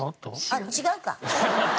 あっ違うか。